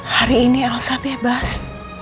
hari ini elsa bebas